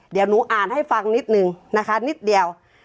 เดี๋ยวหนูอ่านให้ฟังนิดนึงนะคะนิดเดียว